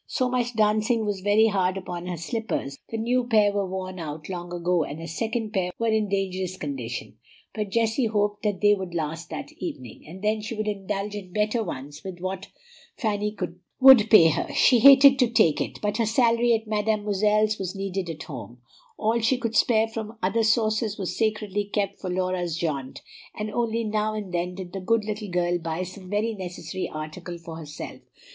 So much dancing was very hard upon her slippers, the new pair were worn out long ago, and a second pair were in a dangerous condition; but Jessie hoped that they would last that evening, and then she would indulge in better ones with what Fanny would pay her. She hated to take it, but her salary at Mademoiselle's was needed at home; all she could spare from other sources was sacredly kept for Laura's jaunt, and only now and then did the good little girl buy some very necessary article for herself.